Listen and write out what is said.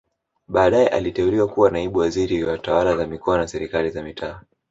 Baadae aliteuliwa kuwa naibu waziri wa tawala za mikoa na serikali za mitaa